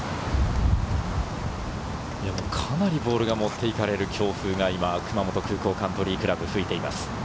かなりボールが持っていかれる強風が熊本空港カントリークラブに吹いています。